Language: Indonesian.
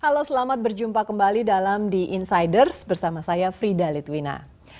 halo selamat berjumpa kembali dalam the insiders bersama saya frida litwina